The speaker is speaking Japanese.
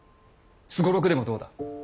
双六でもどうだ。